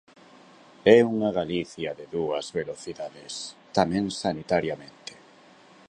É unha Galicia de dúas velocidades, tamén sanitariamente.